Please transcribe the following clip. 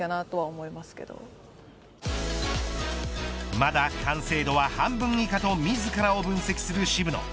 まだ完成度は半分以下と自らを分析する渋野。